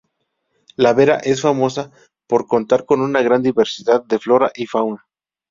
La Vera es famosa por contar con una gran diversidad de flora y fauna.